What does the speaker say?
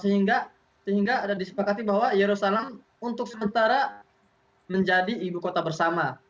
sehingga ada disepakati bahwa yerusalem untuk sementara menjadi ibu kota bersama